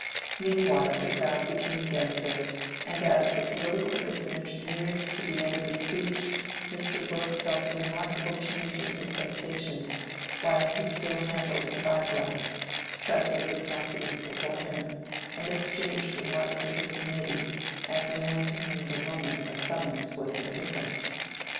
Meanwhile the crowd became denser, and as the political personage neared the end of his speech, Mr. Brooke felt a remarkable change in his sensations while he still handled his eye glass, trifled with documents before him, and exchanged remarks with his committee, as a man to whom the moment of summons was indifferent.